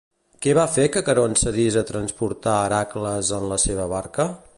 Què va fer que Caront cedís a transportar Hèracles en la seva barca?